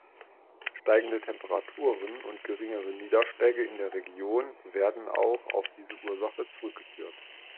Steigende Temperaturen und geringere Niederschläge in der Region werden auch auf diese Ursache zurückgeführt.